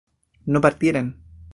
no partieran